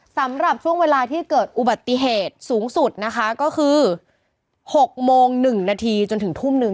สำหรับช่วงเวลาที่เกิดอุบัติเหตุสูงสุดนะคะก็คือ๖โมง๑นาทีจนถึงทุ่มหนึ่ง